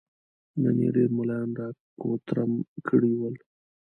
نن يې ډېر ملايان را کوترم کړي ول.